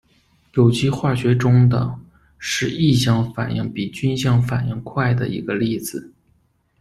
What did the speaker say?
有机化学中的是异相反应比均相反应快的一个例子。